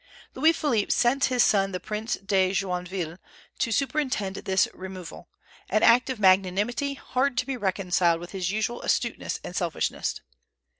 Louis Philippe sent his son the Prince de Joinville to superintend this removal, an act of magnanimity hard to be reconciled with his usual astuteness and selfishness.